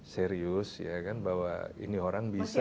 serius ya kan bahwa ini orang bisa